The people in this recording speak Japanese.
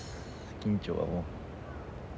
緊張はもう。